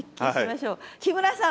木村さん。